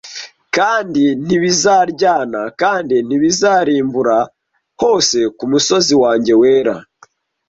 Kandi ntibizaryana kandi ntibizarimbura hose ku musozi wanjye wera